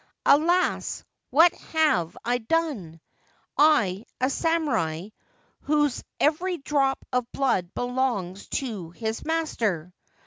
Alas, what have I done — I, a samurai, whose every drop of blood belongs to his master